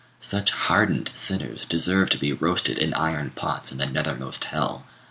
Such hardened sinners deserve to be roasted in iron pots in the nethermost hell.